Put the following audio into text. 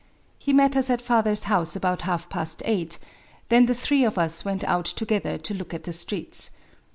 He met us at father's house about half past eight : then the three of us went out together to look at the streets.